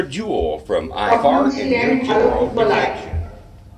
তখন ছিলেন ভালো ফুটবলার।